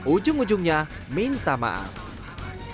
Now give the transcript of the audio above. ujung ujungnya minta maaf